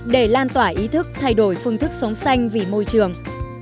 để lan tỏa ý thức thay đổi phương thức sống xanh vì môi trường